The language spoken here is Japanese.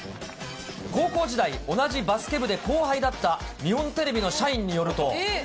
高校時代、同じバスケ部で後輩だった日本テレビの社員によると。